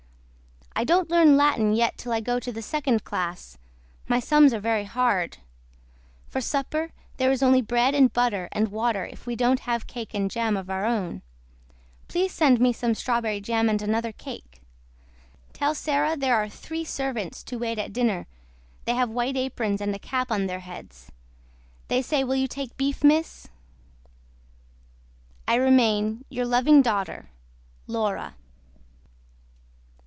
I DON'T LEARN LATIN YET TILL I GO INTO THE SECOND CLASS MY SUMS ARE VERY HARD. FOR SUPPER THERE IS ONLY BREAD AND BUTTER AND WATER IF WE DON'T HAVE CAKE AND JAM OF OUR OWN. PLEASE SEND ME SOME STRAWBERRY JAM AND ANOTHER CAKE. TELL SARAH THERE ARE THREE SERVANTS TO WAIT AT DINNER THEY HAVE WHITE APRONS AND A CAP ON THEIR HEADS. THEY SAY WILL YOU TAKE BEEF MISS I REMAIN YOUR LOVING DAUGHTER LAURA.